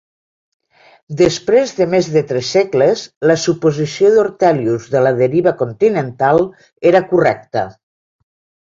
Després de més de tres segles, la suposició d'Ortelius de la deriva continental era correcta.